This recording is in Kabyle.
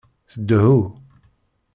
Tdehhu.